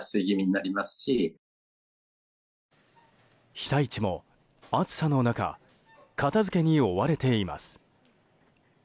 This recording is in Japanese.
被災地も暑さの中片付けに追われています。